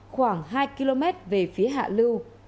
khoảng hai km về phía hạ lưu